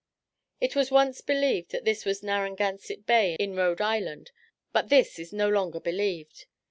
It was once believed that this was Narragansett Bay in Rhode Island, but this is no longer believed.